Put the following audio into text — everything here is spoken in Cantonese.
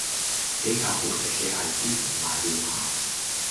比較好食嘅係椒鹽賴尿蝦